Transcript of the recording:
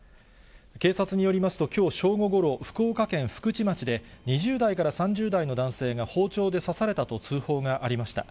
警察によりますと、きょう正午ごろ、福岡県福智町で、２０代から３０代の男性が包丁で刺されたと通報がありました。